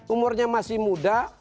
umurnya masih muda